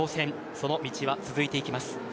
その道は続いていきます。